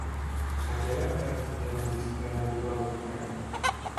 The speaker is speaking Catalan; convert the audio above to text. De què l'ha advertit la magistrada Tubau, però?